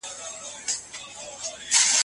هر شعر خپل وخت او فضا لري.